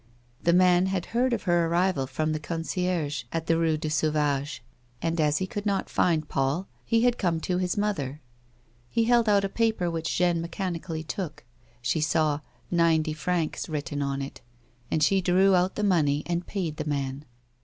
The man had heard of her arrival from the concierge at the Eue du Sauvage, and as he could not find Paul he had come tc his mother. He held out a paper which Jeanne mechanically took ; she saw " 90 francs " written on it, and she drew out the money and paid the man.